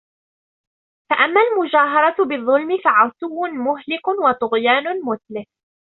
فَأَمَّا الْمُجَاهَرَةُ بِالظُّلْمِ فَعُتُوٌّ مُهْلِكٌ وَطُغْيَانٌ مُتْلِفٌ